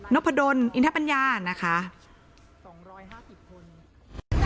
นกพะดนอินทะปัญญานะคะสองร้อยห้าพิกษ์คน